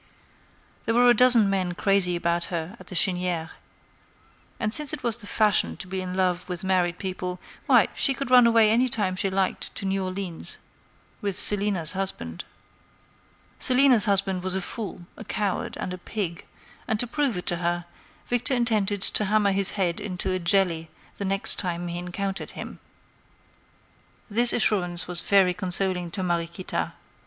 There were a dozen men crazy about her at the Chênière; and since it was the fashion to be in love with married people, why, she could run away any time she liked to New Orleans with Célina's husband. Célina's husband was a fool, a coward, and a pig, and to prove it to her, Victor intended to hammer his head into a jelly the next time he encountered him. This assurance was very consoling to Mariequita.